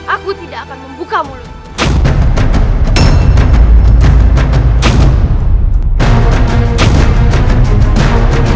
aku tidak akan membuka mulut